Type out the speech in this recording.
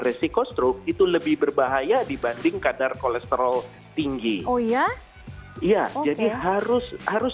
resiko stroke itu lebih berbahaya dibanding kadar kolesterol tinggi oh iya iya jadi harus harus